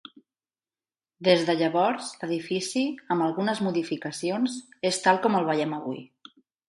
Des de llavors, l'edifici, amb algunes modificacions, és tal com el veiem avui.